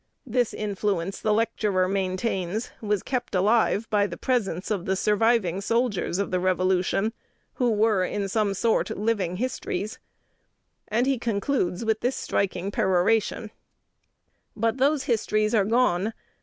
This influence, the lecturer maintains, was kept alive by the presence of the surviving soldiers of the Revolution, who were in some sort "living histories," and concludes with this striking peroration: "But those histories are gone.